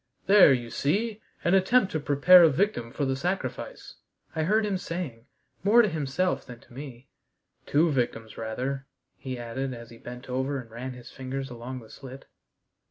"There, you see, an attempt to prepare a victim for the sacrifice," I heard him saying, more to himself than to me, "two victims rather," he added as he bent over and ran his fingers along the slit.